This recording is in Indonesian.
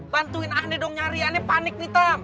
bantuin ahli dong nyari aneh panik nih tam